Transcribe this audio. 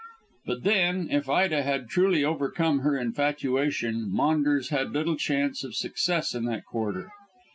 But then, if Ida had truly overcome her infatuation, Maunders had little chance of success in that quarter.